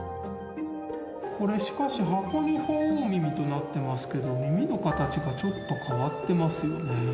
これしかし箱に「鳳凰耳」となってますけど耳の形がちょっと変わってますよね。